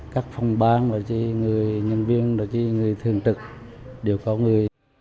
các phòng bang đối với người nhân viên đối với người thường trực đều có người